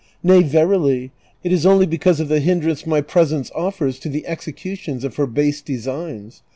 Nay verily, it is only because of the hindrance my presence offers to the execution of her base designs.